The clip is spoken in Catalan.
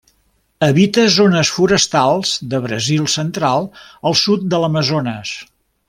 Habita zones forestals de Brasil Central al sud de l'Amazones.